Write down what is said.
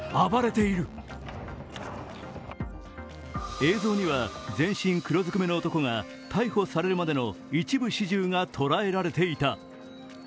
映像には全身黒ずくめの男が逮捕されるまでがとらえられていた。